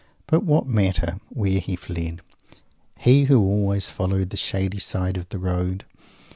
But what matter where he fled he who always followed the "shady side" of the road?